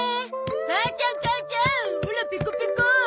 母ちゃん母ちゃんオラペコペコ！